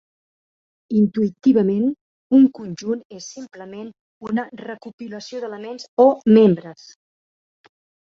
Intuïtivament, un conjunt és simplement una recopilació d'elements o "membres".